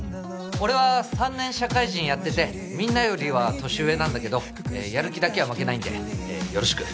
俺は３年社会人やっててみんなよりは年上なんだけどやる気だけは負けないんでよろしく。